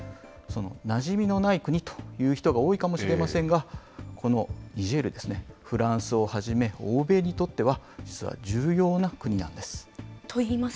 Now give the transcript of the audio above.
なじみのない国という人が多いかもしれませんが、このニジェールですね、フランスをはじめ欧米にとっては実は重要な国なんです。